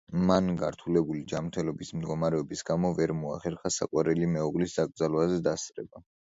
მან გართულებული ჯანმრთელობის მდგომარეობის გამო ვერ მოახერხა საყვარელი მეუღლის დაკრძალვაზე დასწრება.